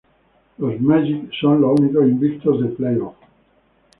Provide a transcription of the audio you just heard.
Los Magic son los únicos invictos de playoffs.